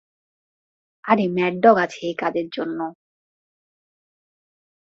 আরে, mad dog আছে এই কাজের জন্য!